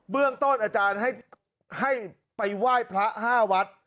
เรื่องต้นอาจารย์ให้ไปไหว้พระ๕วัด